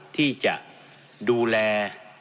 ที่จะดูแล